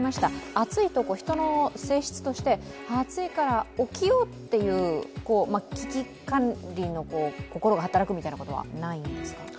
暑いと、人の性質として暑いから起きようという危機管理の心が働くみたいなことはないんですか？